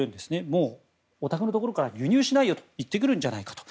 もう、おたくのところから輸入しないよと言ってくるんじゃないかと。